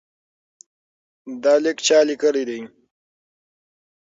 دا لیک چا لیکلی دی؟